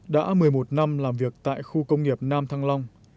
đã một mươi một năm làm việc tại khu công nghiệp nam thăng long